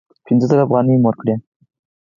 پینځه زره افغانۍ مي ورکړې !